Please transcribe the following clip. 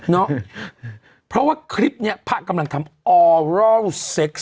เพราะว่าคลิปนี้พระกำลังทำออรอลเซ็กซ